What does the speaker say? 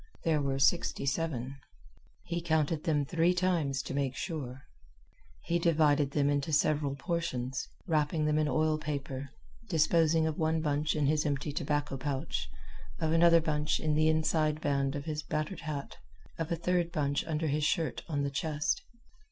There were sixty seven. He counted them three times to make sure. He divided them into several portions, wrapping them in oil paper, disposing of one bunch in his empty tobacco pouch, of another bunch in the inside band of his battered hat, of a third bunch under his shirt on the chest.